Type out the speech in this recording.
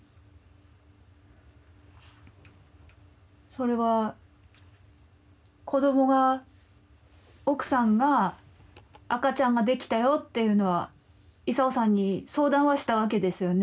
それは子どもが奥さんが赤ちゃんができたよっていうのは勲さんに相談はしたわけですよね？